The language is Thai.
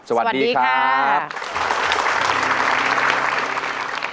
สวัสดีครับสวัสดีค่ะ